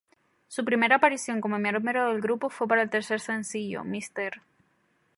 Su primera aparición como miembro del grupo fue para el tercer sencillo, "Mr.